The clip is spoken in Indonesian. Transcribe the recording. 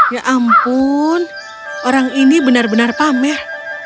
ya ampun orang ini benar benar pameh